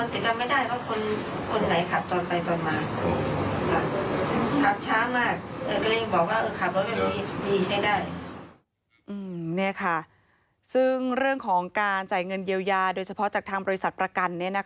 ใช้ได้อืมเนี้ยค่ะซึ่งเรื่องของการจ่ายเงินเยียวยาโดยเฉพาะจากทางบริษัทประกันเนี้ยนะคะ